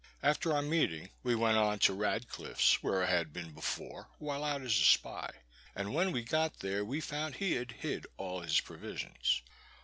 After our meeting we went on to Radcliff's, where I had been before while out as a spy; and when we got there, we found he had hid all his provisions.